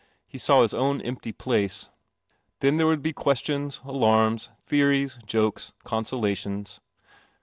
He saw his own empty place. Then there would be ques tions, alarms, theories, jokes, consolations.